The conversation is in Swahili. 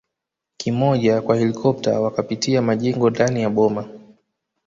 kimoja kwa helikopta wakapitia majengo ndani ya boma